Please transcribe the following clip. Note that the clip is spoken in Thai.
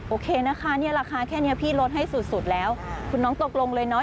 โอเคนะคะเนี่ยราคาแค่นี้พี่ลดให้สุดสุดแล้วคุณน้องตกลงเลยเนาะ